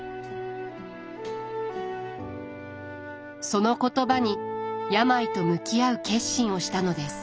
その言葉に病と向き合う決心をしたのです。